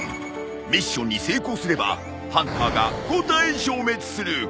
ミッションに成功すればハンターが５体消滅する。